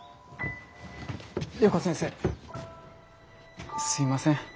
良子先生すいません。